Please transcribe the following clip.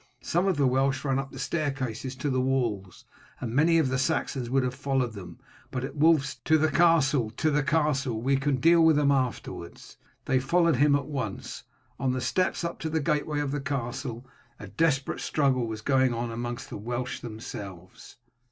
Some of the Welsh ran up the staircases to the walls, and many of the Saxons would have followed them, but at Wulf's "To the castle, to the castle, we can deal with them afterwards!" they followed him at once. On the steps up to the gateway of the castle a desperate struggle was going on among the Welsh themselves.